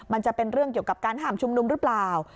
มันจะเป็นเรื่องเกี่ยวกับการห้ามชุมนุมหรือเปล่า